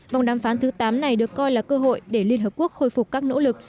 vòng đàm phán thứ tám này được coi là cơ hội để liên hợp quốc khôi phục các nỗ lực